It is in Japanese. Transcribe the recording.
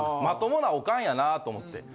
まともなオカンやなと思って。